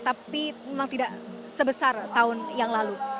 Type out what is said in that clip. tapi memang tidak sebesar tahun yang lalu